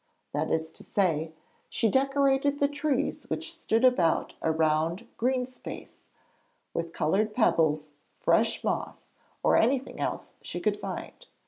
That is to say, she decorated the trees which stood about a round green space, with coloured pebbles, fresh moss, or anything else she could find.